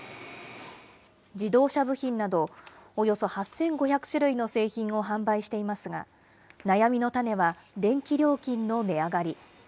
自動車部品などおよそ８５００種類の製品を販売していますが、悩みの種は電気料金の値上がり。